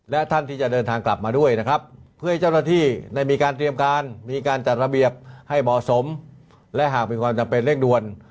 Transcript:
และหากมีความจำเป็นเร่งด้วน